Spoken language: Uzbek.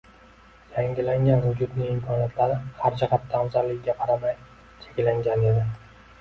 Yangilangan vujudning imkoniyatlari, har jihatdan afzalligiga qaramay, cheklangan edi.